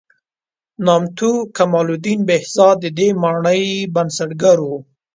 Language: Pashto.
نامتو کمال الدین بهزاد د دې مانۍ بنسټګر و.